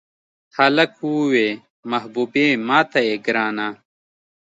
هلک ووې محبوبې ماته یې ګرانه.